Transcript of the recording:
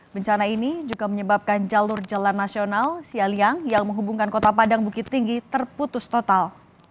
bencana ini juga menyebabkan jalur jalan nasional sialiang yang menghubungkan kota padang bukit tinggi terputus total